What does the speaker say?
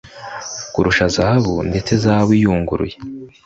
kurusha zahabu ndetse zahabu iyunguruye